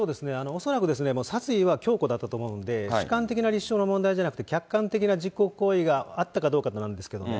恐らく殺意は強固だったと思うので、主観的な立証の問題じゃなくて、客観的な実行行為があったかどうかなんですけどね。